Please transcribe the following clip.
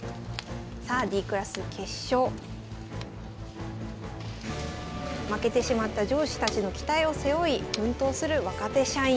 さあ負けてしまった上司たちの期待を背負い奮闘する若手社員。